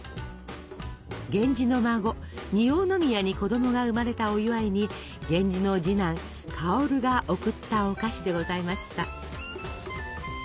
源氏の孫匂宮に子供が生まれたお祝いに源氏の次男薫が贈ったお菓子でございました。